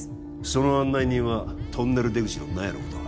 その案内人はトンネル出口の納屋のことは？